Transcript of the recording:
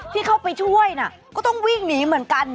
ที่เข้าไปช่วยก็ต้องวิ่งหนีเหมือนกัน